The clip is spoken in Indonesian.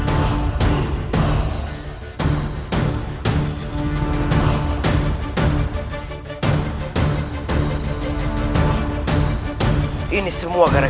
aku akan hampir kembali bersama mereka